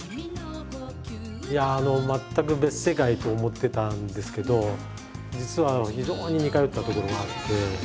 いやああの全く別世界と思ってたんですけど実は非常に似通ったところがあって。